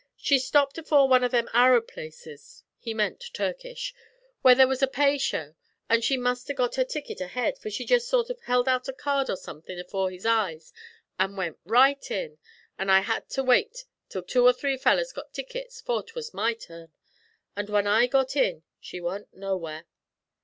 She'd stopped afore one of them Arab places' he meant Turkish 'where there wuz a pay show, an' she must 'a' got her ticket ahead, fer she jest sort o' held out a card or somethin' afore his eyes and went right in, an' I had ter wait till two or three fellers got tickets 'fore 'twas my turn, an' when I got in she wa'n't nowhere.'